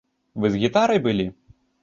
Вы з гітарай былі?